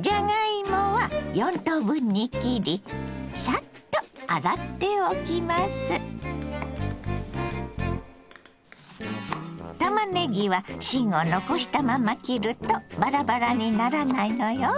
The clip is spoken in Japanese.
じゃがいもは４等分に切りたまねぎは芯を残したまま切るとバラバラにならないのよ。